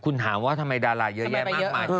คุณถามว่าทำไมดาราเยอะแยะมากมาย